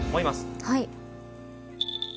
はい。